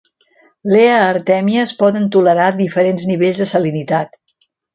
Lea artèmies poden tolerar diferents nivells de salinitat.